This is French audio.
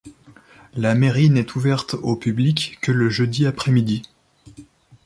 La mairie n'est ouverte au public que le jeudi après-midi.